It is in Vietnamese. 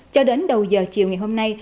cho đến đầu giờ chiều ngày hôm nay